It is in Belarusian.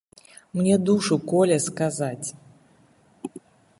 Мне душу коле сказаць!